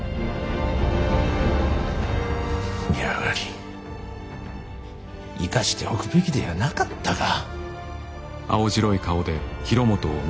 やはり生かしておくべきではなかったか。